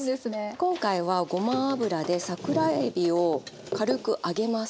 今回はごま油で桜えびを軽く揚げます。